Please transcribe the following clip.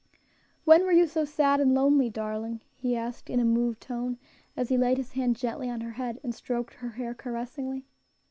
"When were you so sad and lonely, darling?" he asked in a moved tone, as he laid his hand gently on her head, and stroked her hair caressingly.